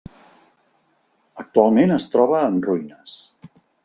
Actualment es troba en ruïnes.